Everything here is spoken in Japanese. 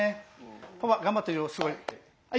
パパ頑張ってるよすごい。